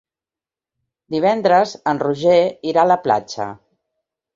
Divendres en Roger irà a la platja.